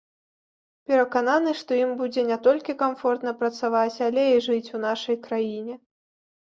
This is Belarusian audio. Перакананы, што ім будзе не толькі камфортна працаваць, але і жыць у нашай краіне.